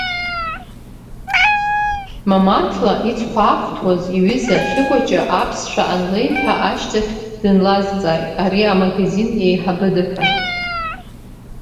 Мамаҭла ицхәаахәҭуаз иҩыза Хьыкәаҷа аԥсшәа анлеиҳәа ашьҭахь дынлазҵааит, ари амагазин еиҳабыда ҳәа.